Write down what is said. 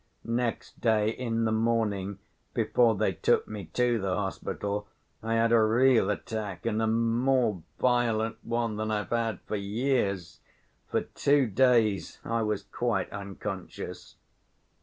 Next day, in the morning, before they took me to the hospital, I had a real attack and a more violent one than I've had for years. For two days I was quite unconscious."